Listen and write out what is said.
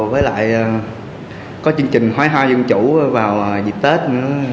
với lại có chương trình thoái hoa dân chủ vào dịp tết nữa